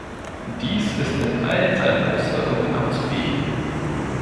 Dies ist in allen seinen Auswirkungen abzuwägen.